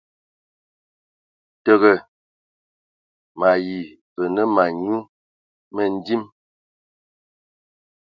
Təgə, mayi və nə ma nyu mədim.